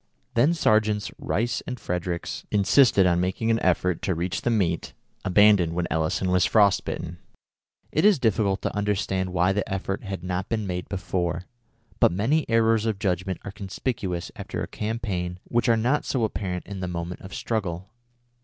Then Sergeants Rice and Fredericks insisted on making an effort to reach the meat abandoned when Elison was frost bitten. It is difficult to understand why the effort had not been made before; but many errors of judgment are conspicuous after a campaign which are not so apparent in the moment of struggle.